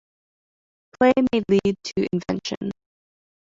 Play may lead to invention.